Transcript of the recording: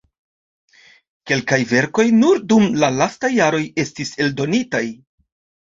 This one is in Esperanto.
Kelkaj verkoj nur dum la lastaj jaroj estis eldonitaj.